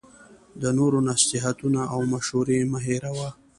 د نورو نصیحتونه او مشوری مه هیروه